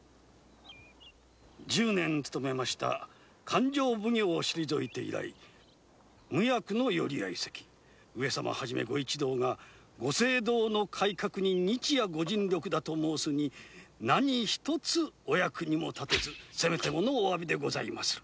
勘定奉行を退いて以来無役の寄合席上様はじめ御一同が御政道の改革に日夜御尽力だと申すに何一つお役に立てずせめてものおわびでございます。